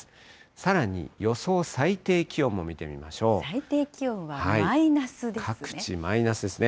さらに予想最低気温も見てみまし最低気温はマイナスですね。